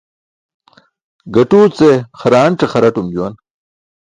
Gaṭuu ce xaraanc̣e xaratum juwan.